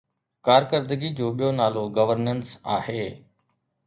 ڪارڪردگي جو ٻيو نالو گورننس آهي.